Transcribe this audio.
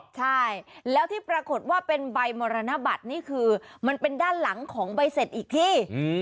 ใช่แล้วที่ปรากฏว่าเป็นใบมรณบัตรนี่คือมันเป็นด้านหลังของใบเสร็จอีกที่